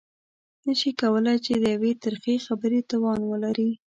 نه شي کولای چې د يوې ترخې خبرې توان ولري.